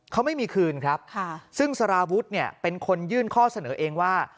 เขาไม่มีคืนครับซึ่งสารวุฒิเนี่ยเป็นคนยื่นข้อเสนอเองว่า